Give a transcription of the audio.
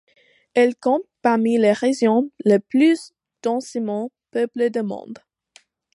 Elle compte parmi les régions les plus densément peuplées du monde.